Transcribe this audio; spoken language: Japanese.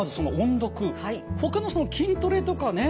ほかの筋トレとかね